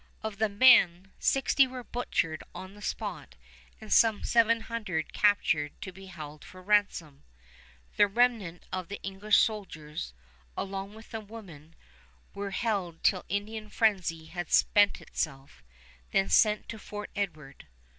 Of the men, sixty were butchered on the spot and some seven hundred captured to be held for ransom. The remnant of the English soldiers, along with the women, were held till the Indian frenzy had spent itself, then sent to Fort Edward.